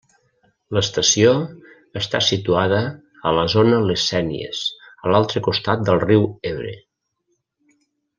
L'estació està situada a la zona les Sénies, a l'altre costat del riu Ebre.